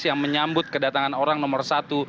yang menyambut kedatangan orang nomor satu